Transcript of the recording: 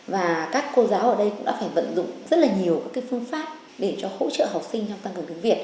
và các cô giáo ở đây cũng đã phải vận dụng rất là nhiều các phương pháp để cho hỗ trợ học sinh trong tăng cường tiếng việt